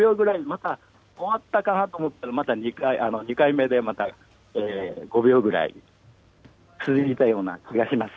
また終わったかなと思ったら２回目でまた５秒くらい、続いたような気がします。